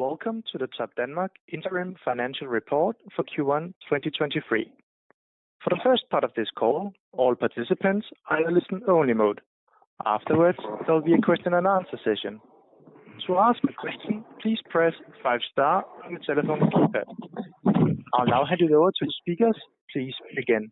Welcome to the Topdanmark interim financial report for Q1 2023. For the first part of this call, all participants are in a listen-only mode. Afterwards, there will be a question-and-answer session. To ask a question, please press five star on your telephone keypad. I'll now hand you over to the speakers. Please begin.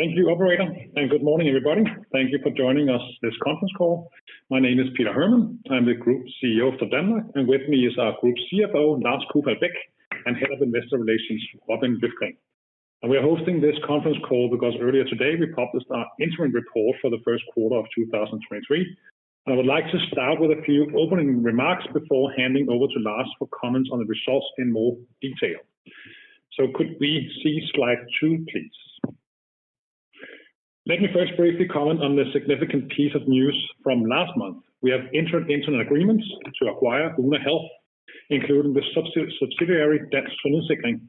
Thank you, Operator. Good morning, everybody. Thank you for joining us this conference call. My name is Peter Hermann. I'm the Group CEO of Topdanmark, and with me is our Group CFO, Lars Kufall Beck, and Head of Investor Relations, Robin Løfgren. We are hosting this conference call because earlier today we published our interim report for the first quarter of 2023. I would like to start with a few opening remarks before handing over to Lars for comments on the results in more detail. Could we see slide two, please? Let me first briefly comment on the significant piece of news from last month. We have entered into an agreement to acquire Oona Health, including the subsidiary Dansk Sundhedssikring,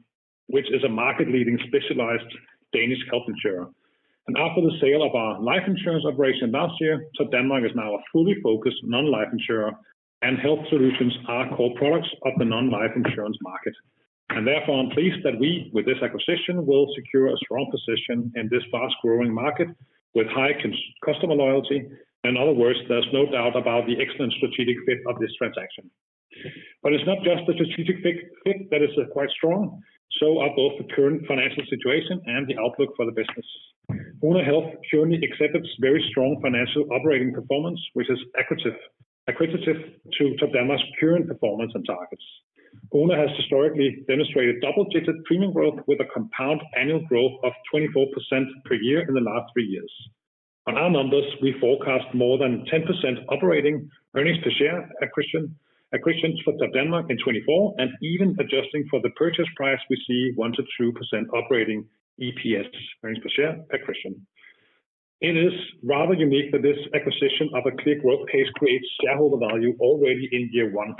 which is a market-leading specialized Danish health insurer. After the sale of our life insurance operation last year, Topdanmark is now a fully focused non-life insurer, and health solutions are core products of the non-life insurance market. Therefore, I'm pleased that we, with this acquisition, will secure a strong position in this fast-growing market with high customer loyalty. In other words, there's no doubt about the excellent strategic fit of this transaction. It's not just the strategic fit that is quite strong, so are both the current financial situation and the outlook for the business. Oona Health currently exhibits very strong financial operating performance, which is acquisitive to Topdanmark's current performance and targets. Oona has historically demonstrated double-digit premium growth with a compound annual growth of 24% per year in the last three years. On our numbers, we forecast more than 10% operating earnings per share acquisitions for Topdanmark in 2024, and even adjusting for the purchase price, we see 1%-2% operating EPS, earnings per share acquisition. It is rather unique that this acquisition of a clear growth pace creates shareholder value already in year one.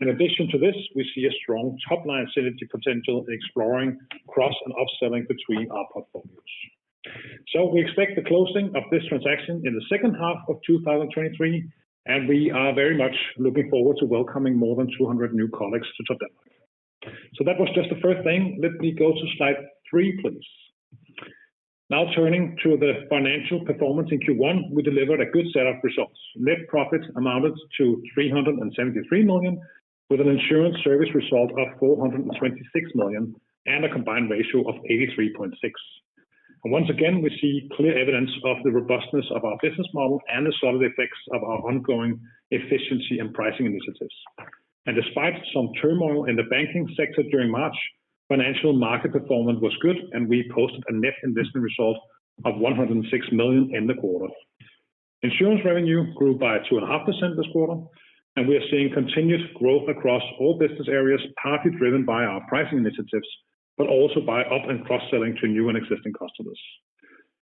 In addition to this, we see a strong top-line synergy potential exploring cross and upselling between our portfolios. We expect the closing of this transaction in the second half of 2023, and we are very much looking forward to welcoming more than 200 new colleagues to Topdanmark. That was just the first thing. Let me go to slide three, please? Now turning to the financial performance in Q1, we delivered a good set of results. Net profits amounted to 373 million, with an insurance service result of 426 million and a combined ratio of 83.6%. Once again, we see clear evidence of the robustness of our business model and the solid effects of our ongoing efficiency and pricing initiatives. Despite some turmoil in the banking sector during March, financial market performance was good, and we posted a net investment result of 106 million in the quarter. Insurance revenue grew by 2.5% this quarter, and we are seeing continuous growth across all business areas, partly driven by our pricing initiatives, but also by up and cross-selling to new and existing customers.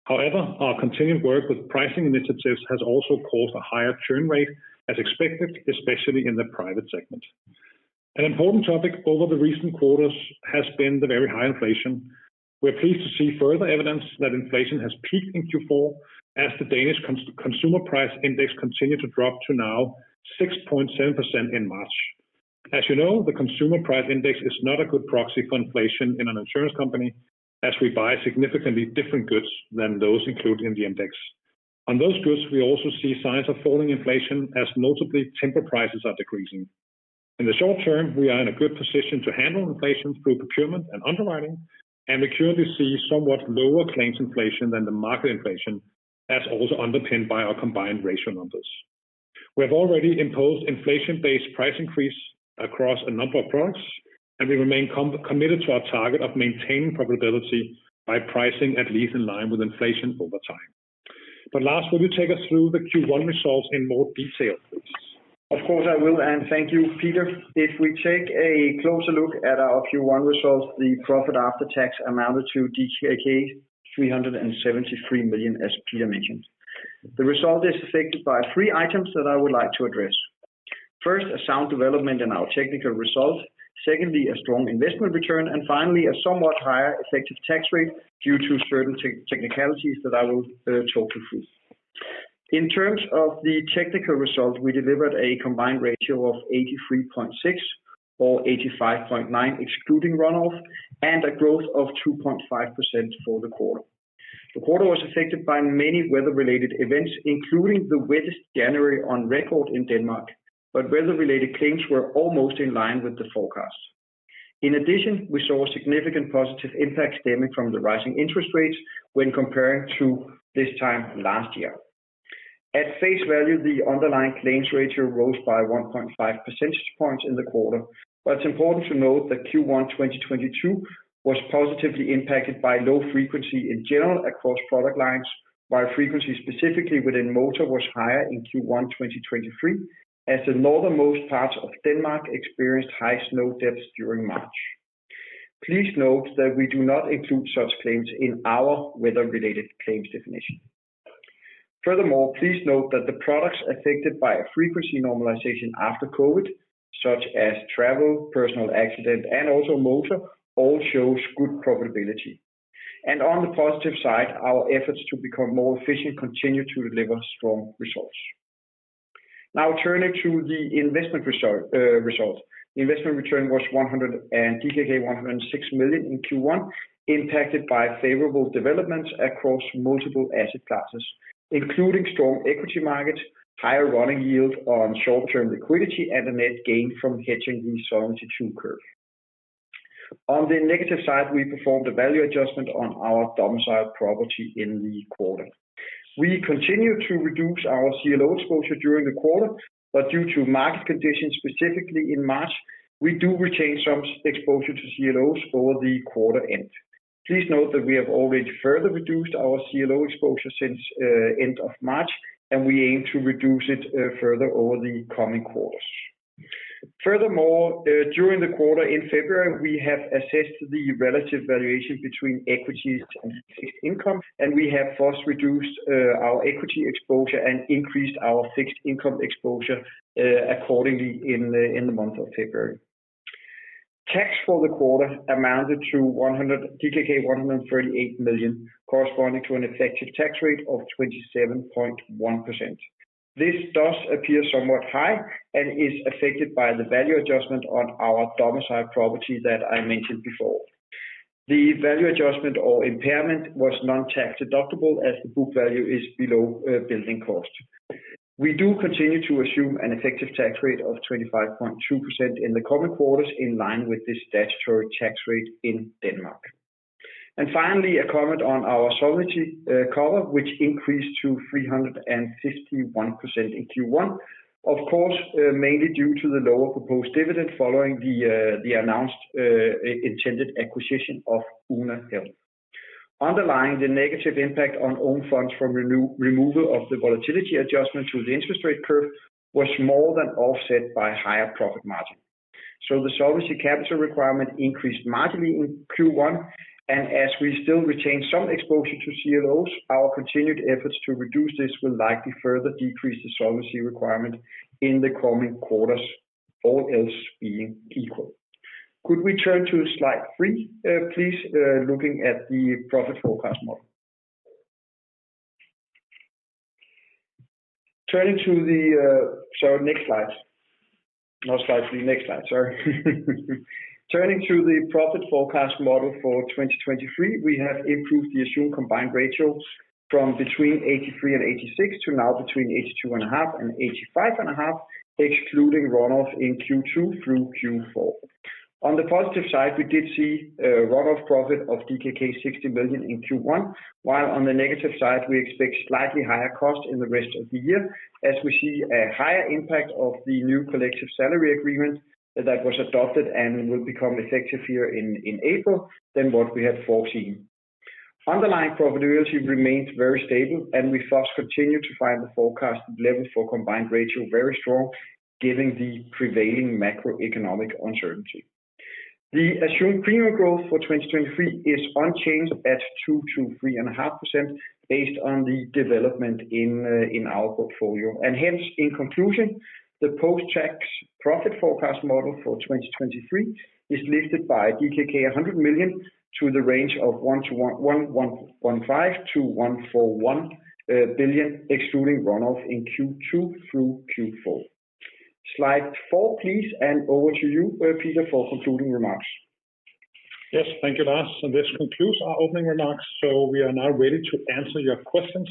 However, our continued work with pricing initiatives has also caused a higher churn rate as expected, especially in the private segment. An important topic over the recent quarters has been the very high inflation. We're pleased to see further evidence that inflation has peaked in Q4 as the Danish Consumer Price Index continued to drop to now 6.7% in March. You know, the Consumer Price Index is not a good proxy for inflation in an insurance company, as we buy significantly different goods than those included in the index. On those goods, we also see signs of falling inflation, as notably timber prices are decreasing. In the short term, we are in a good position to handle inflation through procurement and underwriting, and we currently see somewhat lower claims inflation than the market inflation, as also underpinned by our combined ratio numbers. We have already imposed inflation-based price increase across a number of products, and we remain committed to our target of maintaining profitability by pricing at least in line with inflation over time. Lars, will you take us through the Q1 results in more detail, please? Of course I will, and thank you, Peter. If we take a closer look at our Q1 results, the profit after tax amounted to DKK 373 million, as Peter mentioned. The result is affected by three items that I would like to address. First, a sound development in our technical results. Secondly, a strong investment return. Finally, a somewhat higher effective tax rate due to certain tech-technicalities that I will talk you through. In terms of the technical results, we delivered a combined ratio of 83.6 or 85.9 excluding runoff and a growth of 2.5% for the quarter. The quarter was affected by many weather-related events, including the wettest January on record in Denmark. Weather-related claims were almost in line with the forecast. In addition, we saw a significant positive impact stemming from the rising interest rates when comparing to this time last year. At face value, the underlying claims ratio rose by 1.5 percentage points in the quarter. It's important to note that Q1 2022 was positively impacted by low frequency in general across product lines, while frequency specifically within motor was higher in Q1 2023, as the northernmost parts of Denmark experienced high snow depths during March. Please note that we do not include such claims in our weather-related claims definition. Furthermore, please note that the products affected by a frequency normalization after COVID, such as travel, personal accident, and also motor, all shows good profitability. On the positive side, our efforts to become more efficient continue to deliver strong results. Now turning to the investment result. Investment return was DKK 106 million in Q1 impacted by favorable developments across multiple asset classes, including strong equity markets, higher running yield on short-term liquidity, and a net gain from hedging the solvency true curve. On the negative side, we performed a value adjustment on our domicile property in the quarter. We continue to reduce our CLO exposure during the quarter, but due to market conditions specifically in March, we do retain some exposure to CLOs for the quarter end. Please note that we have already further reduced our CLO exposure since end of March, and we aim to reduce it further over the coming quarters. Furthermore, during the quarter in February, we have assessed the relative valuation between equities and fixed income, and we have first reduced our equity exposure and increased our fixed income exposure accordingly in the month of February. Tax for the quarter amounted to DKK 138 million, corresponding to an effective tax rate of 27.1%. This does appear somewhat high and is affected by the value adjustment on our domicile property that I mentioned before. The value adjustment or impairment was non-tax deductible as the book value is below building cost. We do continue to assume an effective tax rate of 25.2% in the coming quarters in line with the statutory tax rate in Denmark. Finally, a comment on our solvency cover, which increased to 351% in Q1, of course, mainly due to the lower proposed dividend following the announced intended acquisition of Oona Health. Underlying the negative impact on own funds from removal of the volatility adjustment to the interest rate curve was more than offset by higher profit margin. The solvency capital requirement increased marginally in Q1, and as we still retain some exposure to CLOs, our continued efforts to reduce this will likely further decrease the solvency requirement in the coming quarters, all else being equal. Could we turn to slide three, please, looking at the profit forecast model. Turning to the... Sorry, next slide. Not slide three, next slide, sorry. Turning to the profit forecast model for 2023, we have improved the assumed combined ratio from between 83 and 86 to now between 82.5 and 85.5, excluding runoff in Q2 through Q4. On the positive side, we did see a runoff profit of DKK 60 million in Q1, while on the negative side we expect slightly higher cost in the rest of the year as we see a higher impact of the new collective salary agreement that was adopted and will become effective here in April than what we had foreseen. Underlying profitability remains very stable, and we thus continue to find the forecasted level for combined ratio very strong given the prevailing macroeconomic uncertainty. The assumed premium growth for 2023 is unchanged at 2%-3.5% based on the development in our portfolio. Hence, in conclusion, the post-tax profit forecast model for 2023 is lifted by DKK 100 million to the range of 1 to 1.5 to 141 billion excluding runoff in Q2 through Q4. Slide four, please, over to you, Peter, for concluding remarks. Yes. Thank you, Lars. This concludes our opening remarks, so we are now ready to answer your questions.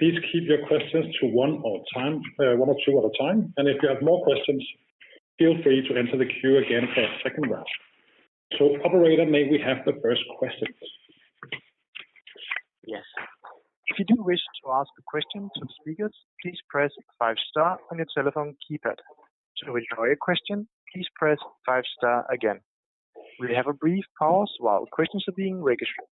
Please keep your questions to one at a time, one or two at a time. If you have more questions, feel free to enter the queue again for a second round. Operator, may we have the first question? Yes. If you do wish to ask a question to the speakers, please press five star on your telephone keypad. To withdraw your question, please press five star again. We have a brief pause while questions are being registered.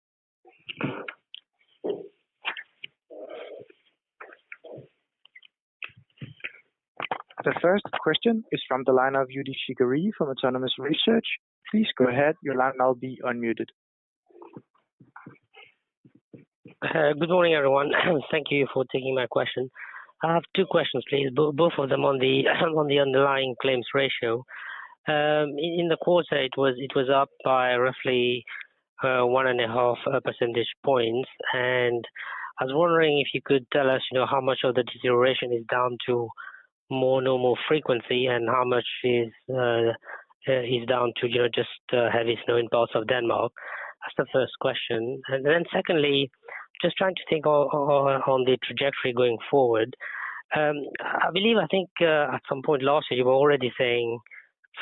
The first question is from the line of Youdish Chicooree from Autonomous Research. Please go ahead. Your line will now be unmuted. Good morning, everyone. Thank you for taking my question. I have two questions please, both of them on the underlying claims ratio. In the quarter it was, it was up by roughly 1.5 percentage points. I was wondering if you could tell us, you know, how much of the deterioration is down to more normal frequency and how much is down to, you know, just, heavy snow in parts of Denmark? That's the first question. Secondly, just trying to think on the trajectory going forward. I believe, I think, at some point last year you were already saying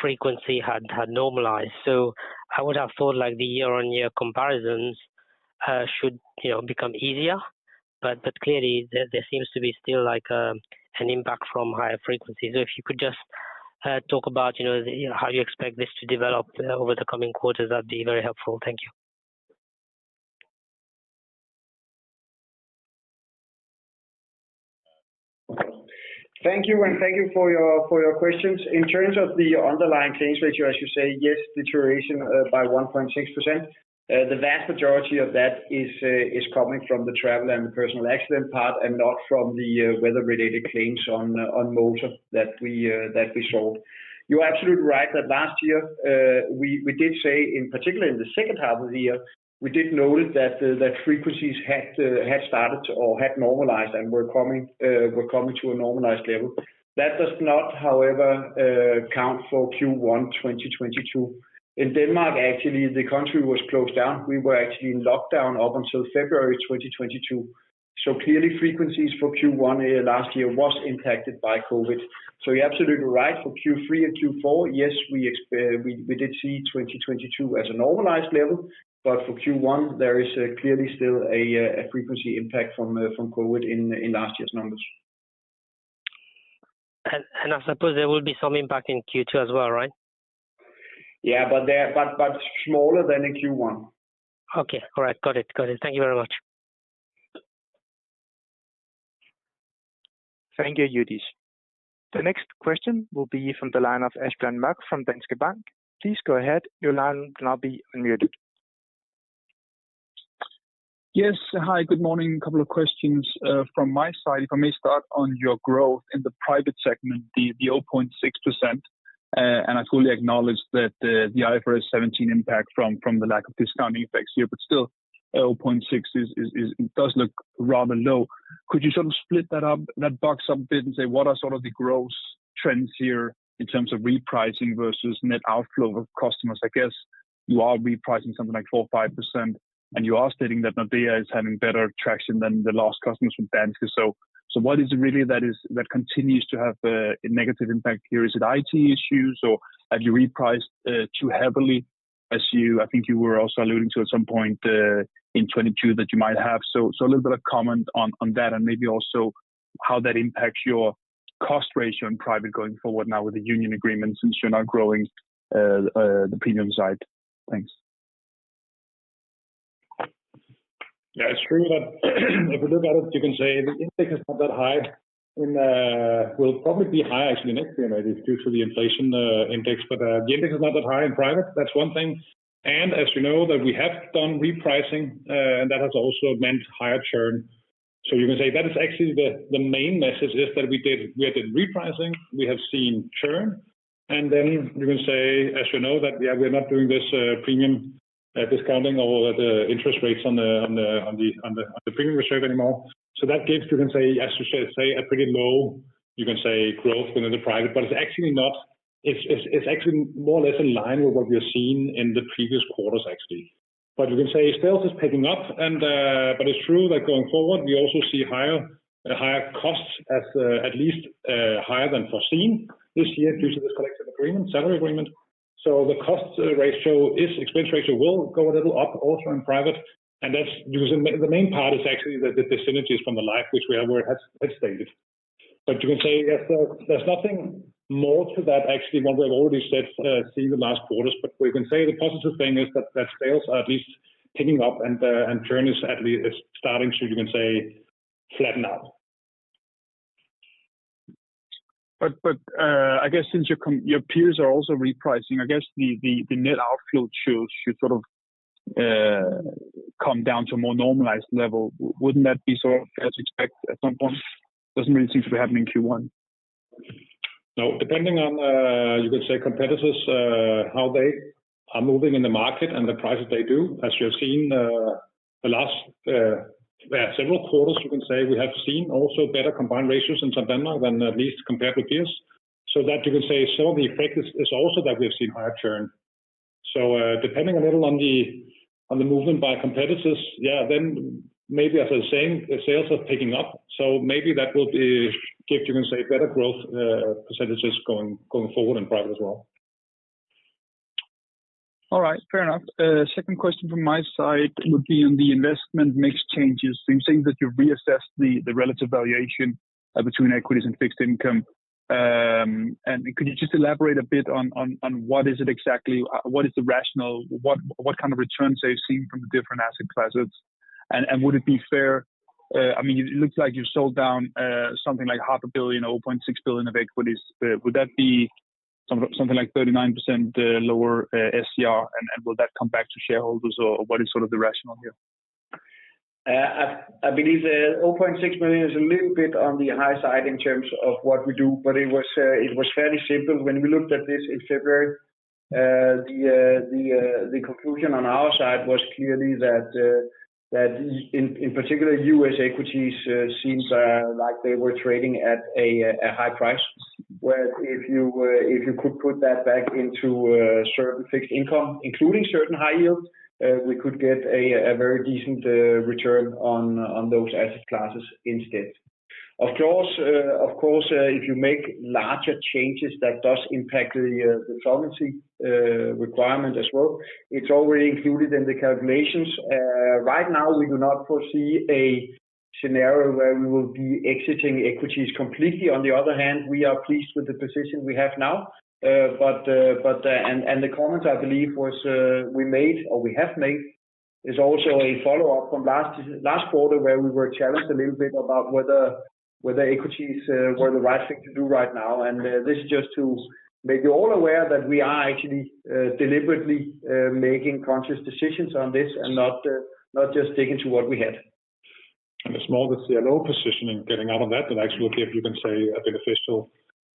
frequency had normalized. I would have thought like the year-on-year comparisons should, you know, become easier. Clearly there seems to be still like an impact from higher frequency. If you could just talk about, you know, how you expect this to develop over the coming quarters, that'd be very helpful. Thank you. Thank you for your questions. In terms of the underlying claims ratio, as you say, yes, deterioration by 1.6%. The vast majority of that is coming from the travel and personal accident part and not from the weather-related claims on motor that we saw. You're absolutely right that last year, we did say in particular in the second half of the year, we did notice that the frequencies had started to or had normalized and were coming to a normalized level. That does not, however, count for Q1 2022. In Denmark, actually the country was closed down. We were actually in lockdown up until February 2022. Clearly frequencies for Q1 last year was impacted by COVID. You're absolutely right for Q3 and Q4, yes, we did see 2022 as a normalized level. For Q1 there is clearly still a frequency impact from COVID in last year's numbers. I suppose there will be some impact in Q2 as well, right? Yeah. they're but smaller than in Q1. Okay. All right. Got it. Got it. Thank you very much. Thank you, Youdish. The next question will be from the line of Asbjørn Mørk from Danske Bank. Please go ahead. Your line will now be unmuted. Yes. Hi, good morning. A couple of questions from my side. If I may start on your growth in the private segment, the 0.6%. I fully acknowledge that the IFRS 17 impact from the lack of discounting effects here, but still 0.6% is it does look rather low. Could you sort of split that up, that box up a bit and say what are sort of the gross trends here in terms of repricing versus net outflow of customers? I guess you are repricing something like 4% or 5%, and you are stating that Nordea is having better traction than the last customers with Danske. What is it really that continues to have a negative impact here? Is it IT issues or have you repriced too heavily as you I think you were also alluding to at some point in 2022 that you might have. A little bit of comment on that and maybe also how that impacts your cost ratio in private going forward now with the union agreement since you're not growing the premium side. Thanks. It's true that if you look at it, you can say the intake is not that high and will probably be high actually next year maybe due to the inflation index. The intake is not that high in private. That's one thing. As you know that we have done repricing, and that has also meant higher churn. You can say that is actually the main message is that we did repricing, we have seen churn, as you know that we're not doing this premium discounting or the interest rates on the premium shape anymore. That gives, as you say, a pretty low growth within the private, but it's actually not. It's actually more or less in line with what we have seen in the previous quarters actually. You can say sales is picking up and it's true that going forward we also see higher costs as at least higher than foreseen this year due to this collective agreement, salary agreement. The cost ratio is expense ratio will go a little up also in private. That's using the main part is actually the synergies from the life which we have already had stated. You can say, yes, there's nothing more to that, actually what we have already said, seen the last quarters. We can say the positive thing is that sales are at least picking up and churn is at least starting to you can say flatten out. I guess since your peers are also repricing, I guess the net outflow should sort of come down to a more normalized level. Wouldn't that be sort of as expected at some point? Doesn't really seem to be happening in Q1. No. Depending on you could say competitors, how they are moving in the market and the prices they do. As you have seen the last, well several quarters you can say we have seen also better combined ratios in Topdanmark than at least compared with peers. That you can say some of the effect is also that we have seen higher churn. Depending a little on the movement by competitors, yeah, then maybe as I was saying the sales are picking up, maybe that will give you can say better growth percentage going forward in private as well. All right. Fair enough. Second question from my side would be on the investment mix changes. You're saying that you reassessed the relative valuation between equities and fixed income. Could you just elaborate a bit on what is it exactly? What is the rationale? What kind of returns are you seeing from the different asset classes? Would it be fair, I mean it looks like you sold down something like 0.5 billion, 0.6 billion of equities. Would that be something like 39% lower SCR? Will that come back to shareholders or what is sort of the rationale here? I believe the 0.6 billion is a little bit on the high side in terms of what we do, but it was fairly simple when we looked at this in February. The conclusion on our side was clearly that in particular U.S. equities seems like they were trading at a high price. Whereas, if you could put that back into certain fixed income, including certain high yields, we could get a very decent return on those asset classes instead. Of course, if you make larger changes, that does impact the solvency requirement as well. It's already included in the calculations. Right now, we do not foresee a scenario where we will be exiting equities completely. On the other hand, we are pleased with the position we have now. But and the comment I believe was, we made or we have made. Is also a follow-up from last quarter where we were challenged a little bit about whether equities were the right thing to do right now. This is just to make you all aware that we are actually, deliberately, making conscious decisions on this and not just sticking to what we had. As long as the low positioning getting out of that actually gave, you can say, a beneficial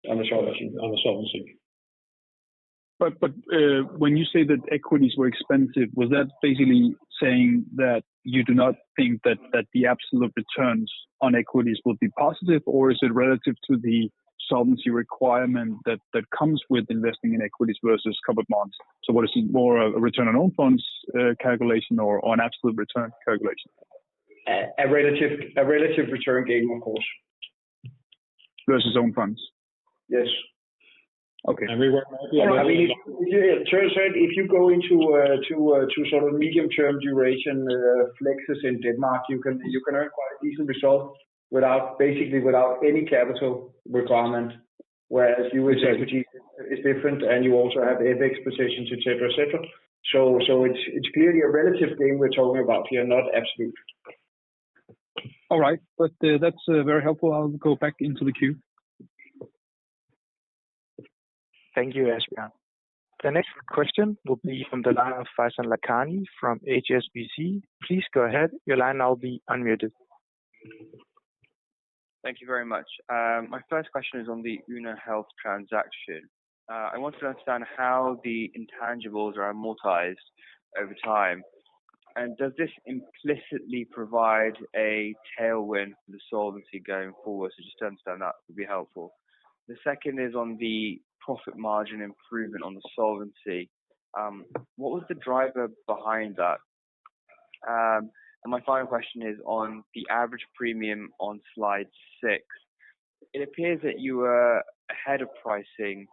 on the solvency, on the solvency. When you say that equities were expensive, was that basically saying that you do not think that the absolute returns on equities will be positive, or is it relative to the solvency requirement that comes with investing in equities versus covered bonds? What is it more a return on own funds calculation or an absolute return calculation? A relative return game, of course. Versus own funds? Yes. Okay. We were... I mean, if you go into to sort of medium term duration, flexes in Denmark, you can earn quite a decent result without any capital requirement, whereas U.S. equity is different, and you also have FX positions, et cetera, et cetera. It's clearly a relative game we're talking about here, not absolute. All right. That's very helpful. I'll go back into the queue. Thank you, Asbjørn. The next question will be from the line of Faisal Lakhani from HSBC. Please go ahead. Your line now will be unmuted. Thank you very much. My first question is on the Oona Health transaction. I want to understand how the intangibles are amortized over time. Does this implicitly provide a tailwind for the solvency going forward? Just to understand that would be helpful. The second is on the profit margin improvement on the solvency. What was the driver behind that? My final question is on the average premium on slide six. It appears that you were ahead of pricing,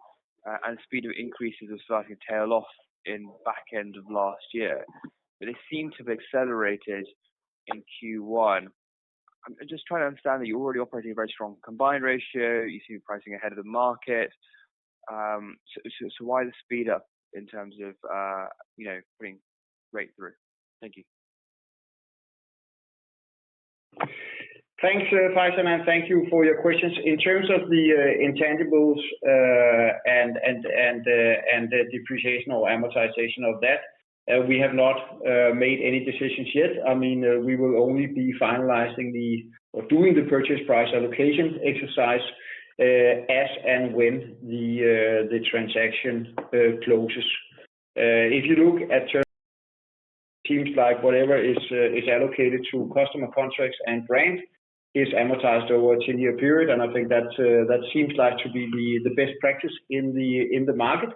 and speed of increases have started to tail off in back end of last year, but it seemed to have accelerated in Q1. I'm just trying to understand that you're already operating a very strong combined ratio. You seem pricing ahead of the market. Why the speed up in terms of, you know, putting rate through? Thank you. Thanks, Faisal. Thank you for your questions. In terms of the intangibles, and the depreciation or amortization of that, we have not made any decisions yet. I mean, we will only be finalizing or doing the purchase price allocation exercise, as and when the transaction closes. If you look at teams like whatever is allocated to customer contracts and brand is amortized over a 10-year period, and I think that seems like to be the best practice in the market.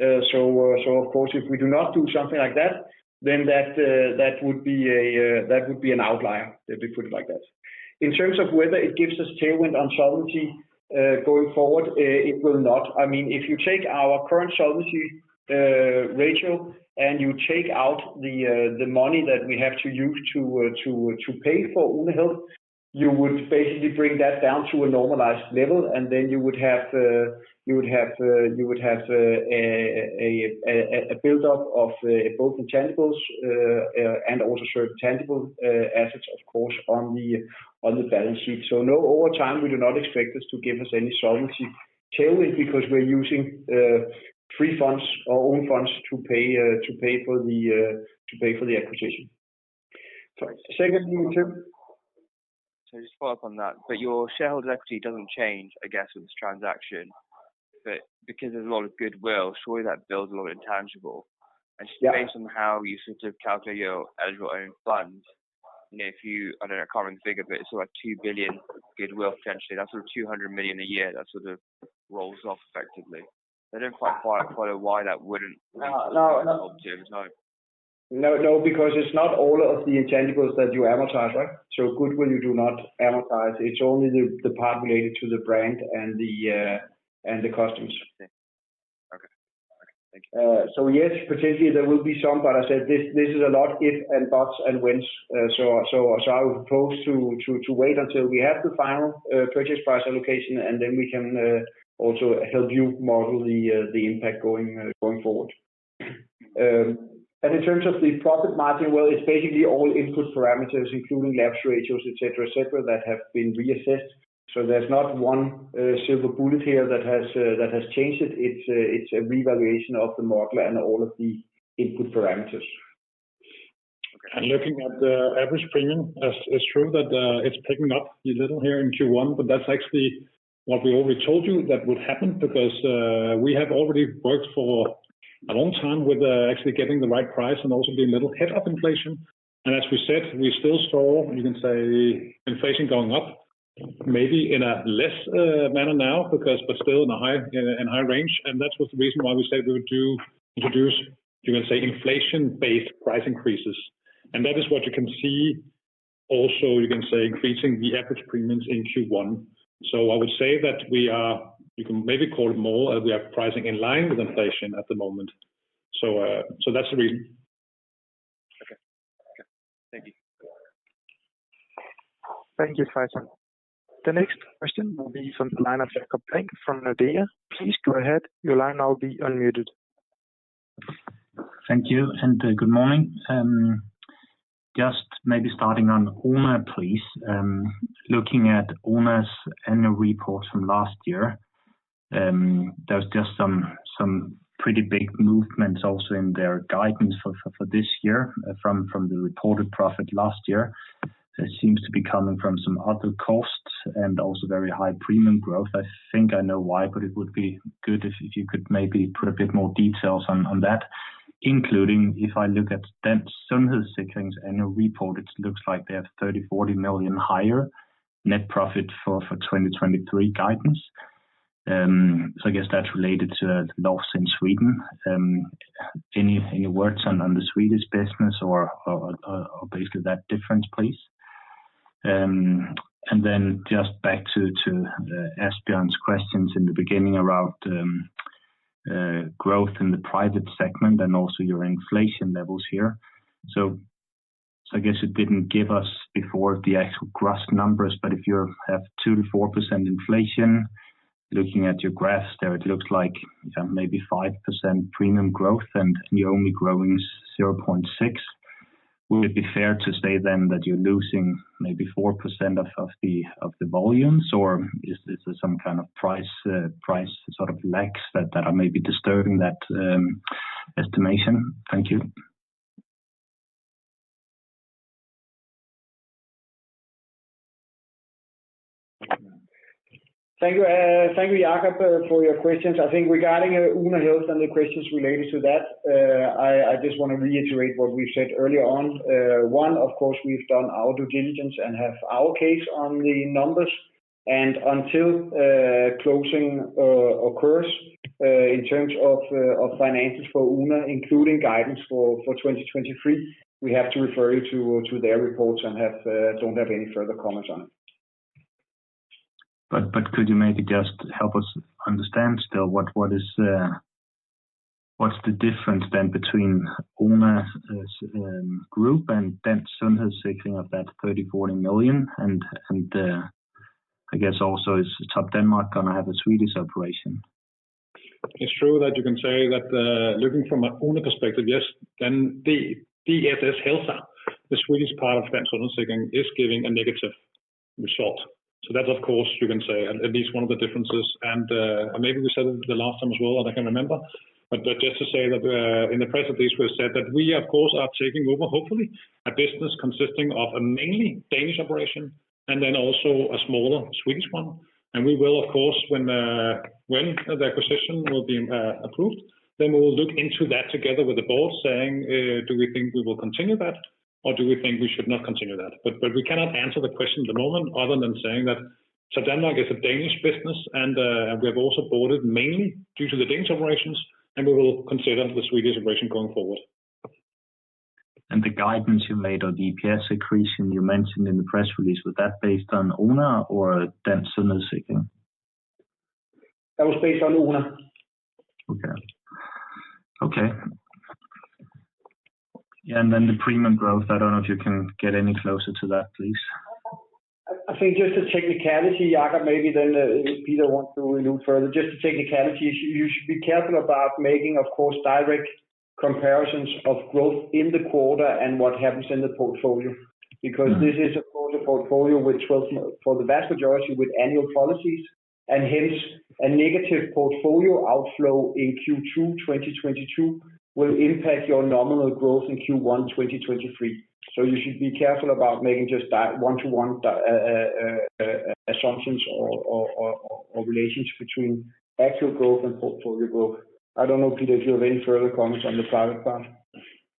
Of course, if we do not do something like that, then that would be an outlier, let me put it like that. In terms of whether it gives us tailwind on solvency, going forward, it will not. I mean, if you take our current solvency ratio, and you take out the money that we have to use to pay for Oona Health, you would basically bring that down to a normalized level, and then you would have a buildup of both intangibles and also certain tangible assets of course, on the balance sheet. No, over time, we do not expect this to give us any solvency tailwind because we're using free funds or own funds to pay to pay for the acquisition. Sorry. Second question? Just follow up on that. Your shareholder equity doesn't change, I guess, with this transaction. Because there's a lot of goodwill, surely that builds a lot of intangibles. Based on how you sort of calculate your, as your own funds, you know, if you, I don't know, can't really think of it's like 2 billion goodwill potentially. That's sort of 200 million a year that sort of rolls off effectively. I don't quite follow why that wouldn't... No, no. -be a problem to you in time. No, no, because it's not all of the intangibles that you amortize. Goodwill you do not amortize. It's only the part related to the brand and the and the customers. Okay. Thank you. Yes, potentially there will be some, but I said this is a lot if and buts and whens. I would propose to wait until we have the final purchase price allocation, and then we can also help you model the impact going forward. In terms of the profit margin, well, it's basically all input parameters, including lapse ratios, et cetera, et cetera, that have been reassessed. There's not one silver bullet here that has changed it. It's a revaluation of the model and all of the input parameters. Looking at the average premium, it's true that it's picking up a little here in Q1, but that's actually what we already told you that would happen because we have already worked for a long time with actually getting the right price and also being a little ahead of inflation. As we said, we still saw, you can say, inflation going up maybe in a less manner now because we're still in a high range. That was the reason why we said we would introduce, you can say, inflation-based price increases. That is what you can see also, you can say, increasing the average premiums in Q1. I would say that we are, you can maybe call it more, we are pricing in line with inflation at the moment. That's the reason. Okay. Thank you. Thank you, Faisal. The next question will be from the line of Jakob Brink from Nordea. Please go ahead. Your line will now be unmuted. Thank you, and good morning. Just maybe starting on Oona, please. Looking at Oona's annual report from last year, there was just some pretty big movements also in their guidance for this year from the reported profit last year. It seems to be coming from some other costs and also very high premium growth. I think I know why, but it would be good if you could maybe put a bit more details on that, including if I look at Dansk Sundhedssikring's annual report, it looks like they have 30 million, 40 million higher net profit for 2023 guidance. I guess that's related to the loss in Sweden. Any words on the Swedish business or basically that difference, please? And then just back to Asbjørn's questions in the beginning around growth in the private segment and also your inflation levels here. I guess it didn't give us before the actual gross numbers, but if you have 2%-4% inflation, looking at your graphs there, it looks like you have maybe 5% premium growth and you're only growing 0.6. Would it be fair to say then that you're losing maybe 4% of the volumes? Or is there some kind of price sort of lags that are maybe disturbing that estimation? Thank you. Thank you, Jakob, for your questions. I think regarding Oona Health and the questions related to that. I just want to reiterate what we said earlier on. One, of course, we've done our due diligence and have our case on the numbers. Until closing occurs, in terms of finances for Oona, including guidance for 2023, we have to refer you to their reports and don't have any further comments on it. Could you maybe just help us understand still what's the difference then between Oona group and Dansk Sundhedssikring of that 30 million, 40 million? I guess also is Topdanmark going to have a Swedish operation? It's true that you can say that, looking from an Oona perspective, yes. That, of course, you can say at least one of the differences. Maybe we said it the last time as well, I can remember. Just to say that, in the press release we said that we of course are taking over, hopefully, a business consisting of a mainly Danish operation and then also a smaller Swedish one. We will of course when the acquisition will be approved, then we will look into that together with the board saying, do we think we will continue that or do we think we should not continue that? We cannot answer the question at the moment other than saying that Topdanmark is a Danish business and we have also bought it mainly due to the Danish operations, and we will consider the Swedish operation going forward. The guidance you made or the EPS accretion you mentioned in the press release, was that based on Oona or Dansk Sundhedssikring? That was based on Oona. Okay. Okay. The premium growth, I don't know if you can get any closer to that, please? I think just a technicality, Jakob, maybe then Peter wants to allude further. Just a technicality. You should be careful about making, of course, direct comparisons of growth in the quarter and what happens in the portfolio. This is of course a portfolio which was for the vast majority with annual policies and hence a negative portfolio outflow in Q2 2022 will impact your nominal growth in Q1 2023. You should be careful about making just one-to-one assumptions or relationships between actual growth and portfolio growth. I don't know, Peter, if you have any further comments on the private part.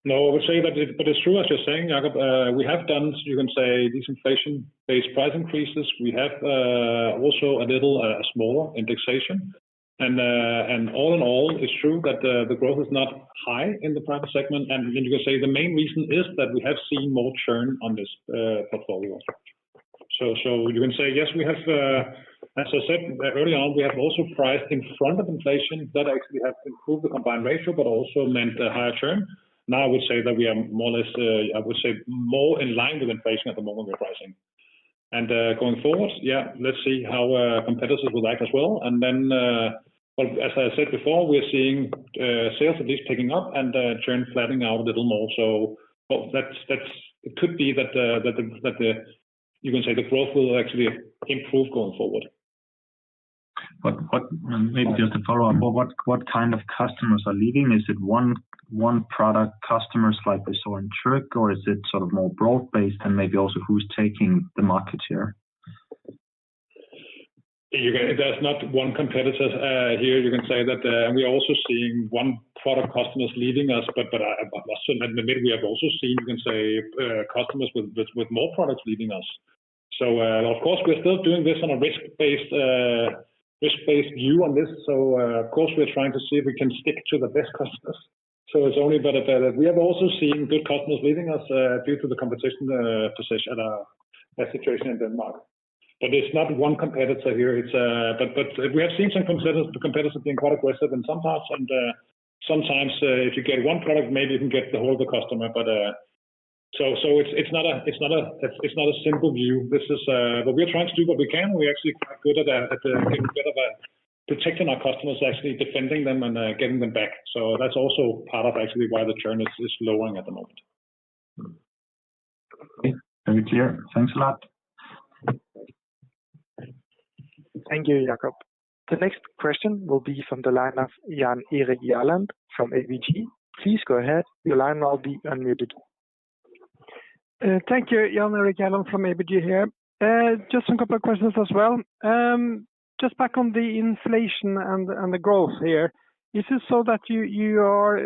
No, I would say that it's true as you're saying, Jakob. We have done, you can say, these inflation-based price increases. We have also a little smaller indexation. All-in-all, it's true that the growth is not high in the private segment. You can say the main reason is that we have seen more churn on this portfolio. You can say yes, we have, as I said earlier on, we have also priced in front of inflation that actually have improved the combined ratio but also meant a higher churn. Now, I would say that we are more or less, I would say more in line with inflation at the moment we're pricing. Going forward, yeah, let's see how competitors will like as well. Well, as I said before, we're seeing sales at least picking up and churn flattening out a little more. That's it could be that the, you can say the growth will actually improve going forward. Maybe just a follow-up. What kind of customers are leaving? Is it one product customers like we saw in Tryg, or is it sort of more broad-based and maybe also who's taking the market share? There's not one competitor here. You can say that we're also seeing one product customers leaving us. I must admit we have also seen, you can say, customers with more products leaving us. Of course, we're still doing this on a risk-based view on this. Of course, we're trying to see if we can stick to the best customers. It's only but a fact. We have also seen good customers leaving us due to the competition position situation in Denmark. It's not one competitor here. We have seen some competitors being quite aggressive in some parts. Sometimes, if you get one product, maybe you can get the whole of the customer. So, it's not a simple view. We are trying to do what we can. We're actually quite good at, getting rid of, protecting our customers, actually defending them and, getting them back. That's also part of actually why the churn is lowering at the moment. Okay. Very clear. Thanks a lot. Thank you, Jakob. The next question will be from the line of Jan Erik Gjerland from ABG. Please go ahead. Your line will be unmuted. Thank you. Jan Erik Gjerland from ABG here. Just a couple of questions as well. Just back on the inflation and the growth here. Is it so that you are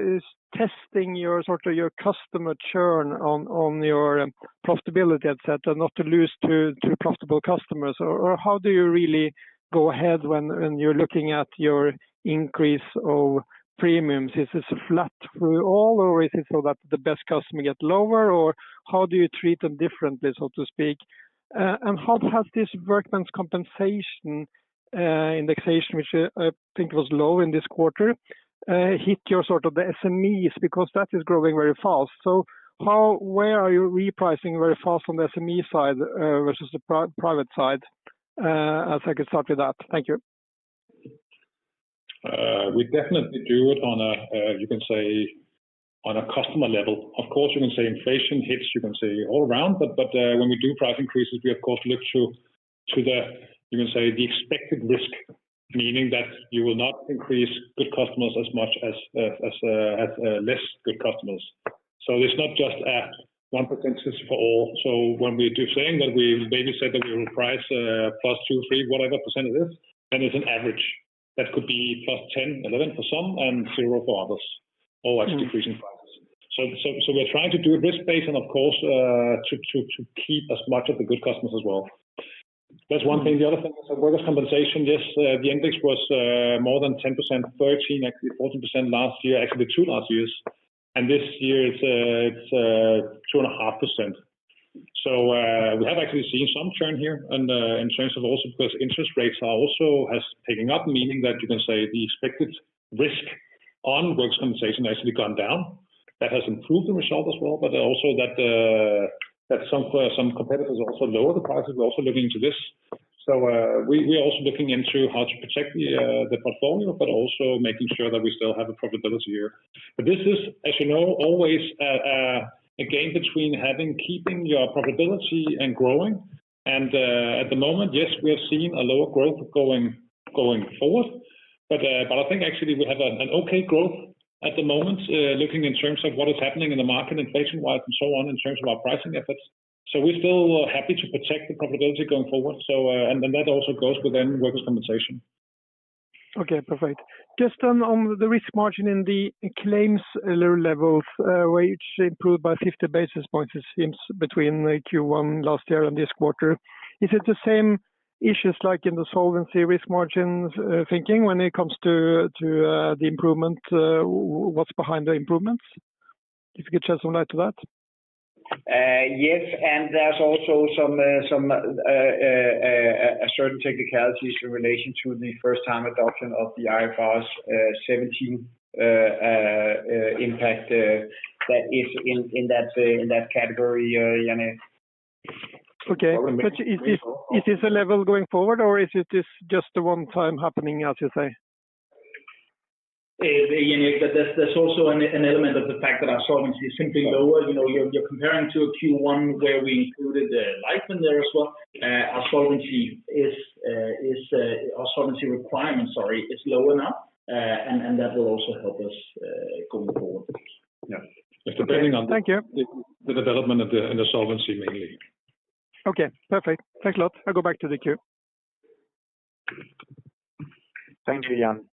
testing your sort of your customer churn on your profitability, et cetera, not to lose too profitable customers? How do you really go ahead when you're looking at your increase of premiums? Is this flat through all, or is it so that the best customer get lower? How do you treat them differently, so to speak? How has this workers' compensation indexation, which I think was low in this quarter, hit your sort of the SMEs because that is growing very fast. Where are you repricing very fast on the SME side versus the private side? I think I'll start with that. Thank you. We definitely do it on a, you can say, on a customer level. Of course, you can say inflation hits, you can say all around. When we do price increases, we of course look to the, you can say the expected risk, meaning that you will not increase good customers as much as less good customers. It's not just a 1% for all. When we do say that we maybe said that we will price, +2, three, whatever percentage is, then it's an average. That could be +10, 11 for some and 0 for others, or actually decreasing prices. We're trying to do it risk-based and of course, to keep as much of the good customers as well. That's one thing. The other thing is workers' compensation. Yes. The index was more than 10%, 13, actually 14% last year. Actually, the two last years. This year it's 2.5%. We have actually seen some churn here. In terms of also because interest rates are also has taken up, meaning that you can say the expected risk on workers' compensation has actually gone down. That has improved the result as well. Also, that some competitors also lower the prices. We're also looking into this. We are also looking into how to protect the portfolio but also making sure that we still have a profitability here. This is, as you know, always a game between having keeping your profitability and growing. At the moment, yes, we have seen a lower growth going forward. But I think actually we have an okay growth at the moment, looking in terms of what is happening in the market inflation wise and so on in terms of our pricing efforts. We're still happy to protect the profitability going forward. That also goes within Workers' compensation. Okay, perfect. Just on the risk margin in the claim's levels, where it improved by 50 basis points, it seems between the Q1 last year and this quarter. Is it the same issues like in the solvency risk margins, thinking when it comes to the improvement, what's behind the improvements? If you could shed some light to that. Yes. There's also some, certain technicalities in relation to the first-time adoption of the IFRS 17 impact that is in that category, Jan Erik. Okay. Is this a level going forward or is it just a one-time happening, how to say? Jan Erik, there's also an element of the fact that our solvency is simply lower. You know, you're comparing to a Q1 where we included Life in there as well. Our solvency requirement, sorry, is low enough. That will also help us going forward. Yeah. It's depending on- Thank you. The solvency mainly. Okay, perfect. Thanks a lot. I'll go back to the queue. Thank you, Jan.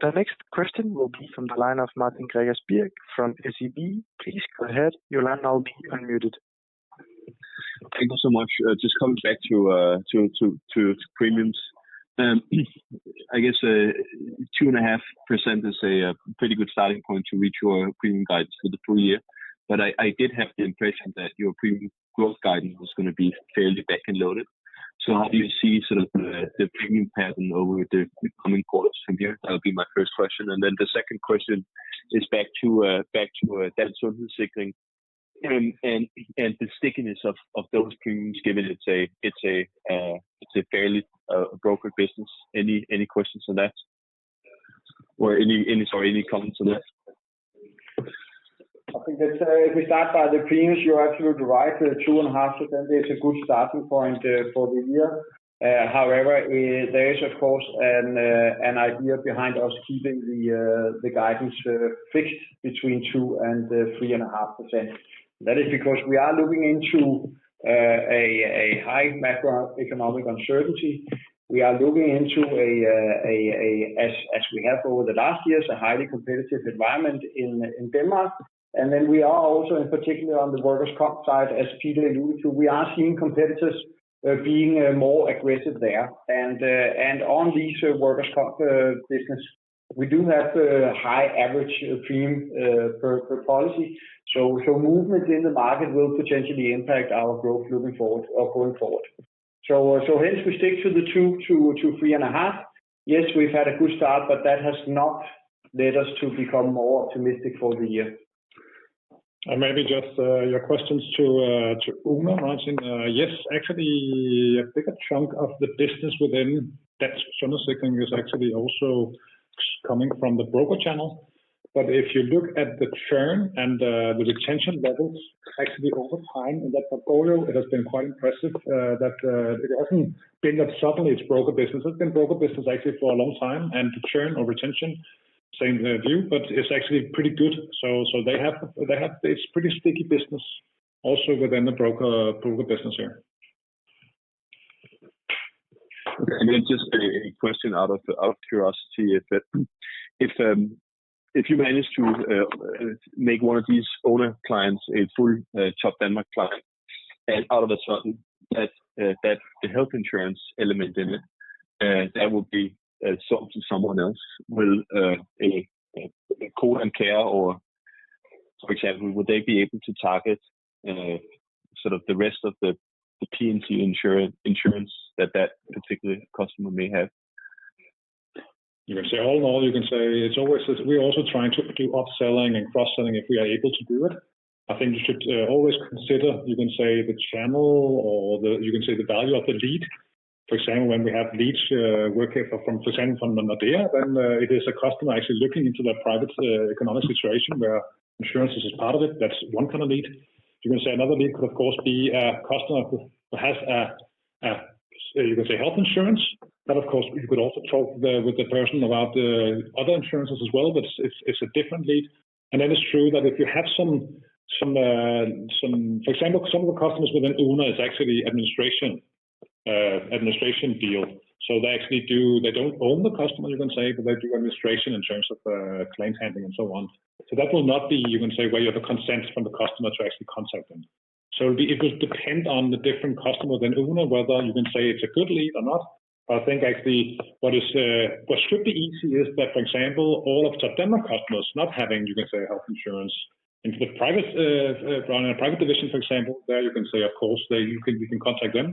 The next question will be from the line of Martin Gregers Birk from SEB. Please go ahead. Your line now will be unmuted. Thank you so much. Just coming back to premiums. I guess 2.5% is a pretty good starting point to reach your premium guidance for the full year. I did have the impression that your premium growth guidance was going to be fairly back-ended loaded. How do you see sort of the premium pattern over the coming quarters from here? That would be my first question. The second question is back to Danske's signaling and the stickiness of those premiums, given it's a fairly broker business. Any questions on that? Sorry, any comments on that? I think that, if we start by the premiums, you're absolutely right. 2.5% is a good starting point for the year. However, there is of course an idea behind us keeping the guidance fixed between 2%-3.5%. That is because we are looking into a high macroeconomic uncertainty. We are looking into as we have over the last years, a highly competitive environment in Denmark. Then we are also in particular on the workers' comp side, as Peter alluded to, we are seeing competitors being more aggressive there. On these workers' comp business, we do have a high average premium per policy. So, movement in the market will potentially impact our growth looking forward or going forward. Hence, we stick to the 2-3.5. Yes, we've had a good start, but that has not led us to become more optimistic for the year. Maybe just your questions to Oona, Martin. Yes, actually a bigger chunk of the business within that channel segment is actually also coming from the broker channel. If you look at the churn and the retention levels actually over time in that portfolio, it has been quite impressive that it hasn't been that suddenly it's broker business. It's been broker business actually for a long time. The churn or retention, same view, but it's actually pretty good. They have this pretty sticky business also within the broker business here. Just a question out of curiosity. If you manage to make one of these owner clients a full Topdanmark client, and all of a sudden that the health insurance element in it that would be sold to someone else, will Codan Care or for example, would they be able to target sort of the rest of the P&C insurance that that particular customer may have? You can say all-in-all you can say it's always this: we're also trying to do upselling and cross-selling if we are able to do it. I think you should always consider you can say the channel or the, you can say the value of the lead. For example, when we have leads working for example, from Nordea, then it is a customer actually looking into their private economic situation where insurance is a part of it. That's one kind of lead. You can say another lead could of course be a customer who has a, you could say health insurance, but of course you could also talk the, with the person about the other insurances as well, but it's a different lead. It is true that if you have some, for example, some of the customers within Oona is actually administration field. They actually- they don't own the customer, you can say, but they do administration in terms of claims handling and so on. That will not be, you can say, where you have a consent from the customer to actually contact them. It will depend on the different customers in Oona whether you can say it's a good lead or not. I think actually what is, what should be easy is that, for example, all of Topdanmark customers not having, you can say, health insurance into the private division, for example, there you can say of course they, you can contact them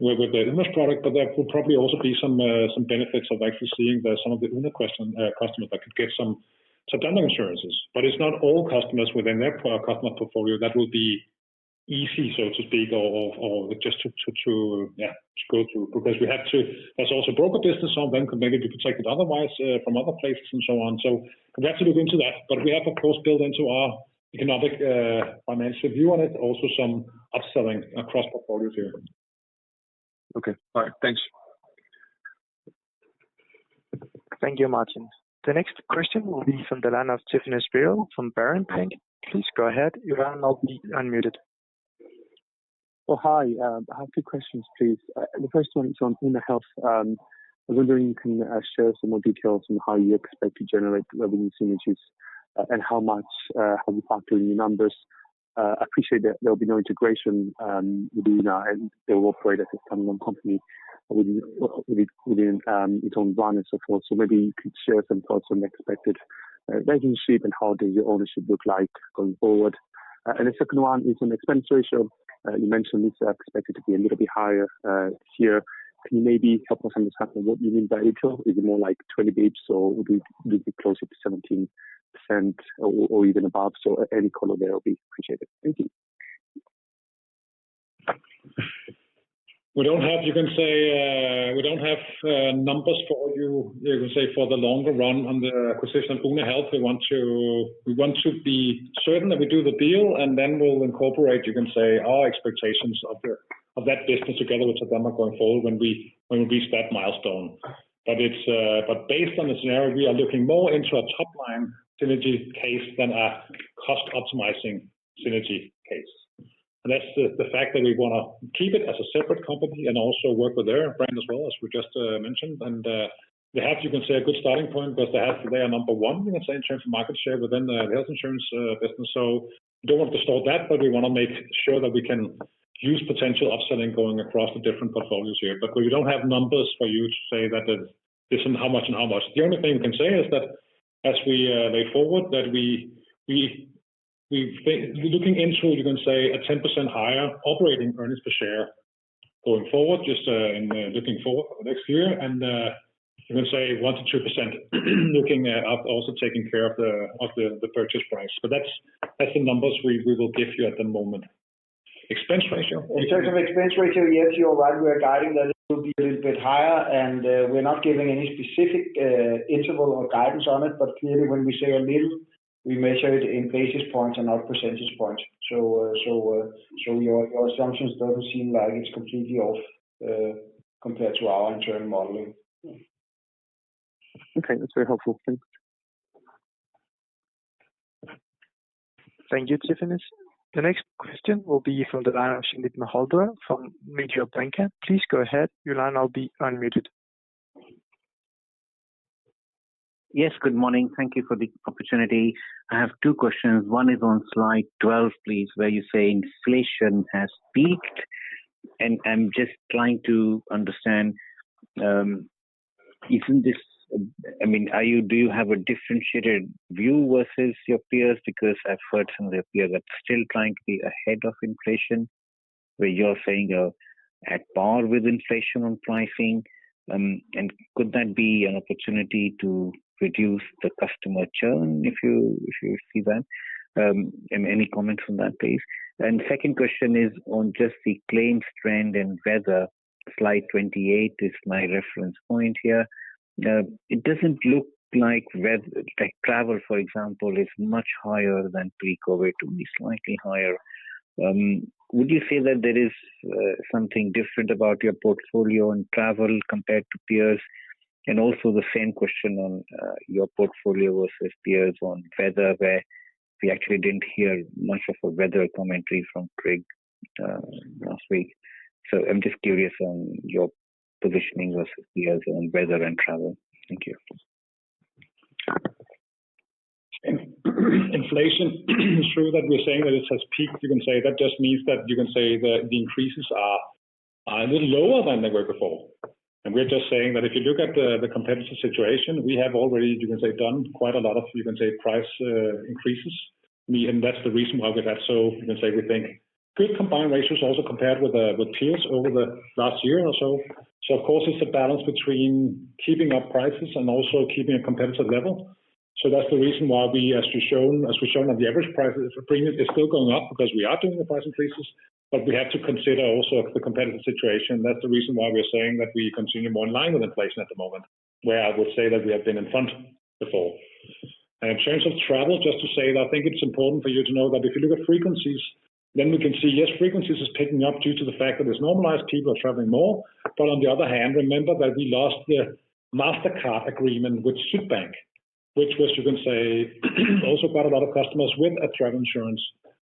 with the Oona's product, but there will probably also be some benefits of actually seeing that some of the Oona customers that could get some Topdanmark insurances. It's not all customers within their customer portfolio that will be easy, so to speak, or just to go through, because we have to. There's also broker business on them could maybe be protected otherwise from other places and so on. We have to look into that. We have of course built into our economic, financial view on it, also some upselling across portfolios here. Okay. All right. Thanks. Thank you, Martin. The next question will be from the line of Tryfonas Spyrou from Berenberg. Please go ahead. Your line will now be unmuted. Hi. I have two questions, please. The first one is on Oona Health. I was wondering if you can share some more details on how you expect to generate revenue synergies and how much have you factored in your numbers. Appreciate that there'll be no integration with Oona, and they will operate as a standalone company within its own brand and so forth. Maybe you could share some thoughts on the expected relationship and how the ownership look like going forward. The second one is on expense ratio. You mentioned it's expected to be a little bit higher here. Can you maybe help us understand what you mean by a little? Is it more like 20 basis or would be closer to 17% or even above? Any color there will be appreciated. Thank you. We don't have, you can say, we don't have numbers for you can say, for the longer run on the acquisition of Oona Health. We want to be certain that we do the deal, and then we'll incorporate, you can say, our expectations of that business together with Topdanmark going forward when we reach that milestone. It's, but based on the scenario, we are looking more into a top-line synergy case than a cost-optimizing synergy case. That's the fact that we want to keep it as a separate company and also work with their brand as well, as we just mentioned. They have, you can say, a good starting point because they are number one, you can say, in terms of market share within the health insurance business. We don't want to stall that, but we want to make sure that we can use potential upselling going across the different portfolios here. We don't have numbers for you to say that it's this and how much and how much. The only thing we can say is that as we way forward, that we've been looking into, you can say, a 10% higher operating earnings per share going forward, just in looking forward next year. You can say 1%-2% looking at up also taking care of the purchase price. That's the numbers we will give you at the moment. Expense ratio? In terms of expense ratio, yes, you're right. We are guiding that it will be a little bit higher. We're not giving any specific interval or guidance on it. Clearly, when we say a little, we measure it in basis points and not percentage points. Your assumptions doesn't seem like it's completely off compared to our internal modeling. Okay. That's very helpful. Thanks. Thank you, Tryfonas. The next question will be from the line of Vinit Malhotra from Mediobanca. Please go ahead. Your line will be unmuted. Yes, good morning. Thank you for the opportunity. I have two questions. One is on slide 12, please, where you say inflation has peaked. I'm just trying to understand. do you have a differentiated view versus your peers? Because I've heard some of your peers are still trying to be ahead of inflation, where you're saying you're at par with inflation on pricing. Could that be an opportunity to reduce the customer churn if you see that? Any comments on that, please. Second question is on just the claims trend and weather. Slide 28 is my reference point here. It doesn't look like travel, for example, is much higher than pre-COVID to be slightly higher. Would you say that there is something different about your portfolio on travel compared to peers? The same question on your portfolio versus peers on weather, where we actually didn't hear much of a weather commentary from Tryg last week. I'm just curious on your positioning versus peers on weather and travel. Thank you. Inflation. It's true that we're saying that it has peaked. That just means that the increases are a little lower than they were before. We're just saying that if you look at the competitive situation, we have already done quite a lot of price increases. I mean, that's the reason why we've had so we think good, combined ratios also compared with peers over the last year or so. Of course, it's a balance between keeping up prices and also keeping a competitive level. That's the reason why we as we've shown that the average price premium is still going up because we are doing the price increases. We have to consider also the competitive situation. That's the reason why we're saying that we continue more in line with inflation at the moment, where I would say that we have been in front before. In terms of travel, just to say that I think it's important for you to know that if you look at frequencies, then we can see, yes, frequencies is picking up due to the fact that there's normalized people traveling more. On the other hand, remember that we lost the Mastercard agreement with Sydbank, which was, you can say, also got a lot of customers with a travel insurance.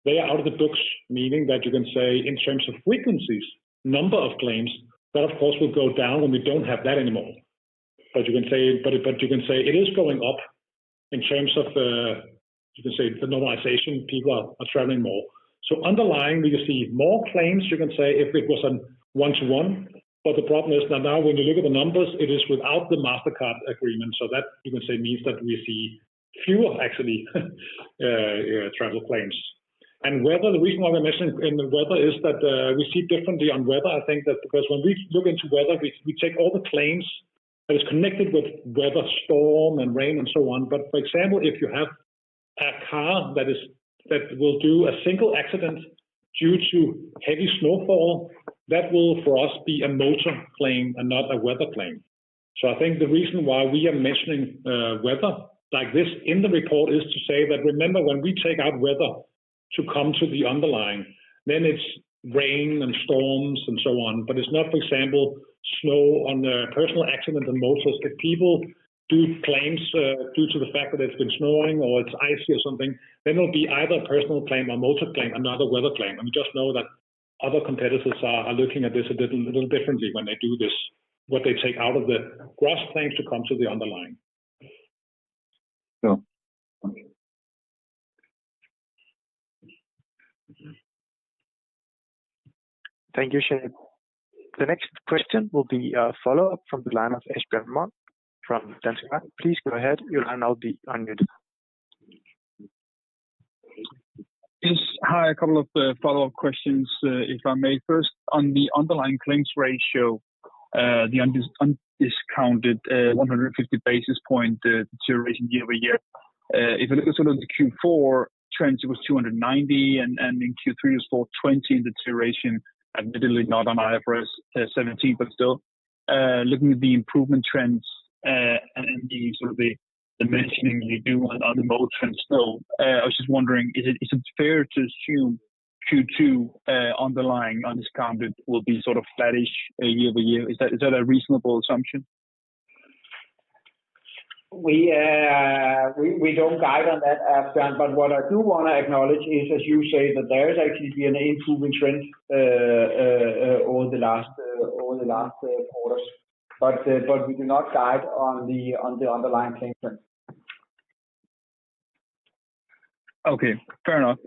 They are out of the books, meaning that you can say in terms of frequencies, number of claims, that of course will go down when we don't have that anymore. You can say it is going up in terms of the normalization. People are traveling more. Underlying we can see more claims if it was on one-to-one. The problem is that now when you look at the numbers, it is without the MasterCard agreement. That means that we see fewer actually travel claims. Weather, the reason why we're mentioning in the weather is that we see differently on weather. I think that because when we look into weather, we take all the claims that is connected with weather, storm and rain and so on. For example, if you have a car that will do a single accident due to heavy snowfall, that will for us be a motor claim and not a weather claim. I think the reason why we are mentioning weather like this in the report is to say that remember when we take out weather to come to the underlying then it's rain and storms and so on. It's not, for example, snow on the personal accident and motors that people do claims due to the fact that it's been snowing or it's icy or something, then it'll be either personal claim or motor claim and not a weather claim. Just know that other competitors are looking at this a little differently when they do this. What they take out of the gross claims to come to the underlying. Sure. Okay. Thank you, Vinit. The next question will be a follow-up from the line of Asbjørn Mørk from Danske Bank. Please go ahead. Your line now be unmuted. Yes. Hi. A couple of follow-up questions, if I may. First, on the underlying claims ratio, the undiscounted 150 basis point deterioration year-over-year. If you look at sort of the Q4 trends, it was 290 and in Q3 it was 420 in deterioration. Admittedly not on IFRS 17, but still, looking at the improvement trends, and the sort of the mentioning you do on the mode trends. Still, I was just wondering, is it fair to assume Q2 underlying undiscounted will be sort of flattish year-over-year? Is that a reasonable assumption? We don't guide on that, Asbjørn. What I do want to acknowledge is, as you say, that there is actually been an improving trend over the last quarters. We do not guide on the underlying claim trends. Okay. Fair enough.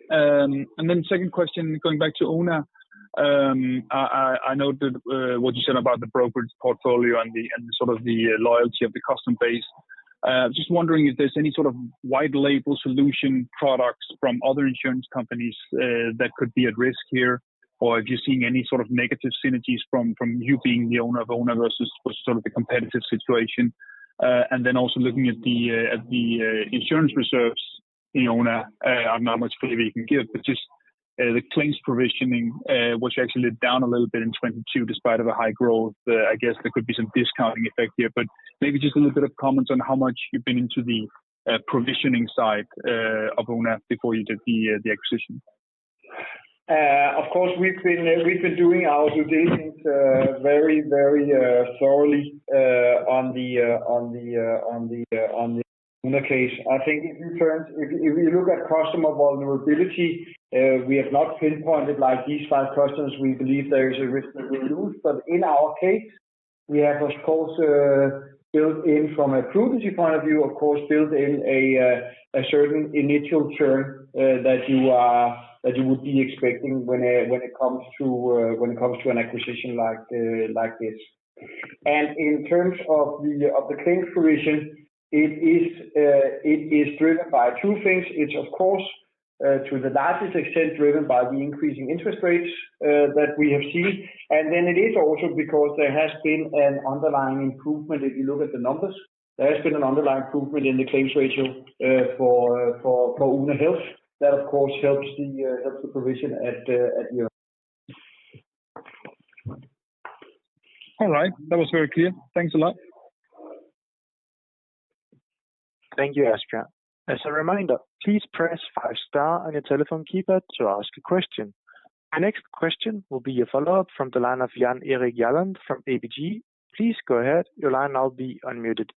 Second question, going back to Oona. I know that what you said about the brokerage portfolio and sort of the loyalty of the customer base. Just wondering if there's any sort of white label solution products from other insurance companies that could be at risk here. Have you seen any sort of negative synergies from you being the owner of Oona versus sort of the competitive situation? Also looking at the, at the insurance reserves in Oona. I don't know how much clarity you can give, but just the claims provisioning, which actually led down a little bit in 22 despite of the high growth. I guess there could be some discounting effect here, but maybe just a little bit of comment on how much you've been into the provisioning side of Oona before you did the acquisition. Of course, we've been doing our due diligence, very thoroughly, on the Oona case. I think if you look at customer vulnerability, we have not pinpointed like these five customers we believe there is a risk that we lose. In our case. We have, of course, built in from a prudency point of view, of course, built in a certain initial term, that you would be expecting when it comes to an acquisition like this. In terms of the claims provision, it is driven by two things. It's of course, to the largest extent driven by the increasing interest rates that we have seen. It is also because there has been an underlying improvement if you look at the numbers. There has been an underlying improvement in the claim's ratio for Oona Health. That of course helps the provision at year. All right. That was very clear. Thanks a lot. Thank you, Asbjørn. As a reminder, please press five star on your telephone keypad to ask a question. Our next question will be a follow-up from the line of Jan Erik Gjerland from ABG. Please go ahead. Your line now will be unmuted.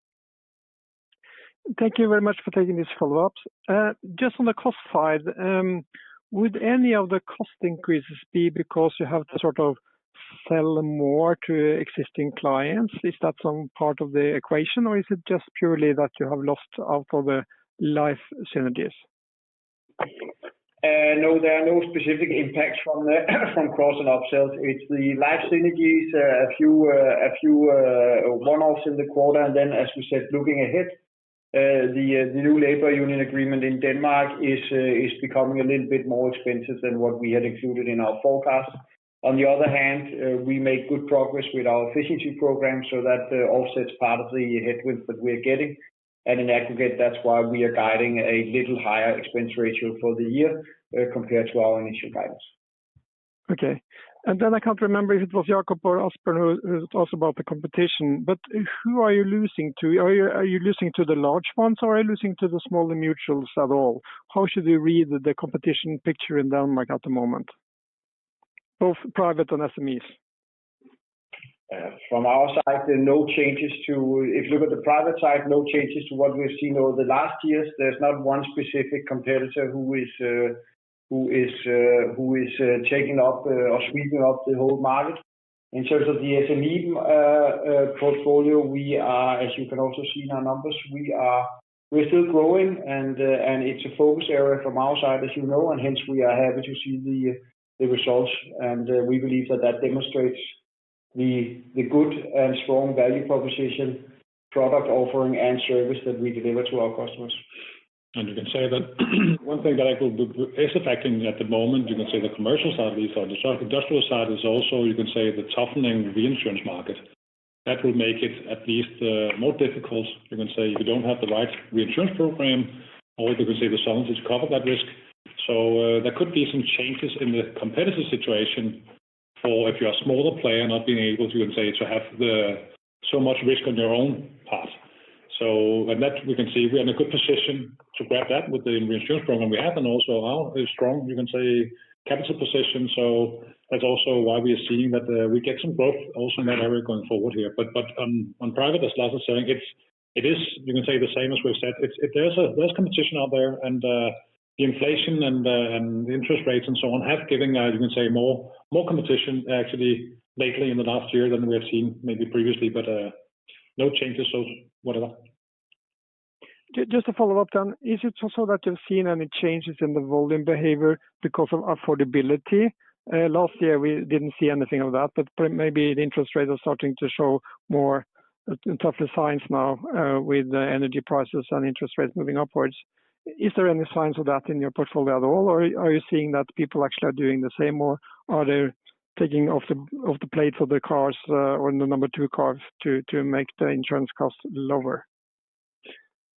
Thank you very much for taking this follow-up. Just on the cost side, would any of the cost increases be because you have to sort of sell more to existing clients? Is that some part of the equation or is it just purely that you have lost out of the life synergies? No, there are no specific impacts from cross and upsells. It's the life synergies, a few, one-offs in the quarter. As we said, looking ahead, the new labor union agreement in Denmark is becoming a little bit more expensive than what we had included in our forecast. On the other hand, we made good progress with our efficiency program, so that offsets part of the headwinds that we are getting. At an aggregate, that's why we are guiding a little higher expense ratio for the year, compared to our initial guidance. I can't remember if it was Jakob or Asbjørn who talked about the competition. Who are you losing to? Are you losing to the large ones or are you losing to the smaller mutuals at all? How should we read the competition picture in Denmark at the moment? Both private and SMEs. From our side, there are no changes to if you look at the private side, no changes to what we've seen over the last years. There's not one specific competitor who is taking up or sweeping up the whole market. In terms of the SME portfolio, we are as you can also see in our numbers, we're still growing and it's a focus area from our side, as you know, and hence we are happy to see the results. We believe that that demonstrates the good and strong value proposition product offering and service that we deliver to our customers. You can say that one thing that I could do is affecting at the moment, you can say the commercial side at least on the short industrial side is also you can say the toughening reinsurance market. That will make it at least more difficult, you can say, if you don't have the right reinsurance program or you can say the challenges cover that risk. There could be some changes in the competitive situation for if you're a smaller player not being able to, you can say, to have the so much risk on your own path. That we can see we're in a good position to grab that with the reinsurance program we have and also our strong, you can say, capital position. That's also why we are seeing that we get some growth also in that area going forward here. On private, as Lars is saying, it is, you can say the same as we've said. There's competition out there and the inflation and interest rates and so on have given, you can say more competition actually lately in the last year than we have seen maybe previously, but no changes. Whatever. Just a follow-up then. Is it also that you've seen any changes in the volume behavior because of affordability? Last year we didn't see anything of that, but maybe the interest rates are starting to show more tougher signs now, with the energy prices and interest rates moving upwards. Is there any signs of that in your portfolio at all or are you seeing that people actually are doing the same, or are they taking off the plate for the cars, or the number two cars to make the insurance costs lower?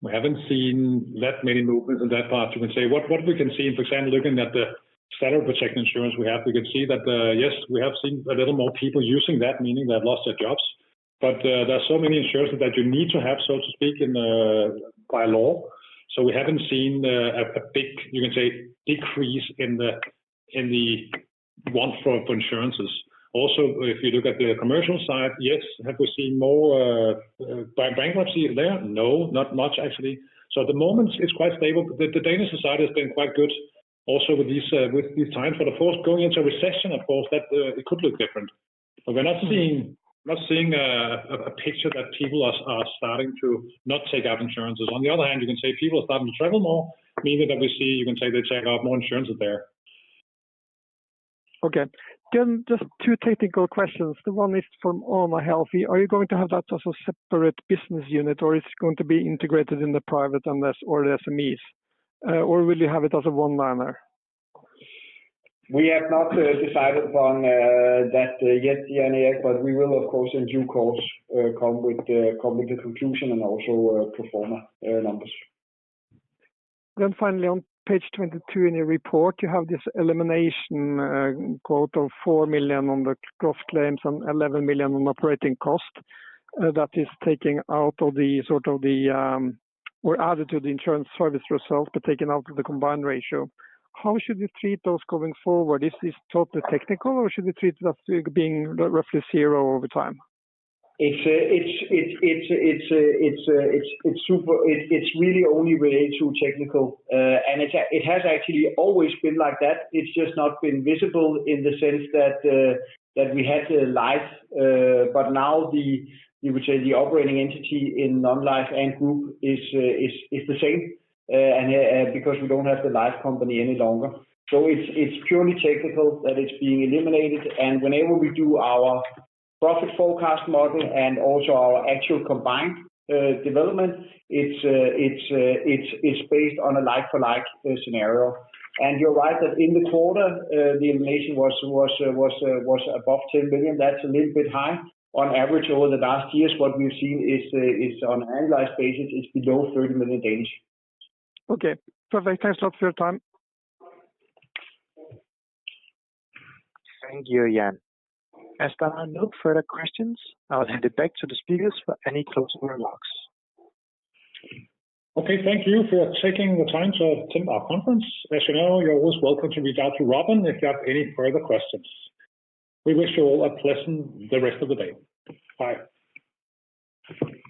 We haven't seen that many movements in that part. You can say what we can see, for example, looking at the federal protection insurance we have, we can see that, yes, we have seen a little more people using that, meaning they've lost their jobs. There are so many insurances that you need to have, so to speak, in the by law. We haven't seen a big, you can say, decrease in the want for insurances. If you look at the commercial side, yes. Have we seen more bankruptcies there? No, not much actually. At the moment it's quite stable. The Danish society has been quite good also with these times. Of course, going into recession of course that, it could look different. We're not seeing a picture that people are starting to not take out insurances. On the other hand, you can say people are starting to travel more. Maybe that we see, you can say they take out more insurances there. Okay. just two technical questions. The one is from Oona Health. Are you going to have that as a separate business unit or it's going to be integrated in the private unless or the SMEs? or will you have it as a one liner? We have not decided on that yet, Jan Erik, but we will of course in due course come with the conclusion and also pro forma numbers. Finally on page 22 in your report, you have this elimination, quote of 4 million on the cost claims and 11 million on operating cost, that is taken out of the sort of the, or added to the insurance service result, but taken out of the combined ratio. How should we treat those going forward? Is this totally technical or should we treat that being roughly zero over time? It's a, it's really only really too technical. It has actually always been like that. It's just not been visible in the sense that we had a life. Now the, you would say the operating entity in non-life and group is the same, and yeah, because we don't have the life company any longer. It's purely technical that it's being eliminated. Whenever we do our profit forecast model and also our actual combined development, it's based on a like for like scenario. You're right that in the quarter. The elimination was above 10 billion. That's a little bit high. On average over the last years, what we've seen is on annualized basis, it's below 30 million. Okay. Perfect. Thanks a lot for your time. Thank you, Jan. As there are no further questions, I'll hand it back to the speakers for any closing remarks. Okay. Thank you for taking the time to attend our conference. As you know, you're always welcome to reach out to Robin if you have any further questions. We wish you all a pleasant the rest of the day. Bye.